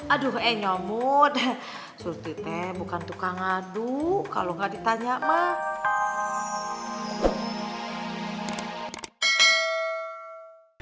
aduh eh nyomot sulti teh bukan tukang adu kalo gak ditanya mah